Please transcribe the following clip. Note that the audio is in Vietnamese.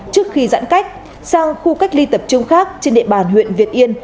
trước khi giãn cách sang khu cách ly tập trung khác trên địa bàn huyện việt yên